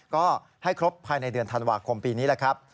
ก็ให้ครบภายในเดือนธันวาคมปีนี้แหละครับ